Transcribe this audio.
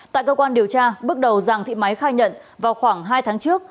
tại cơ quan điều tra bước đầu giàng thị máy khai nhận vào khoảng hai tháng trước